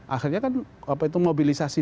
akhirnya kan mobilisasi